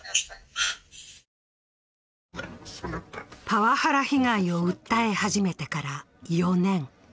パワハラ被害を訴え始めてから４年。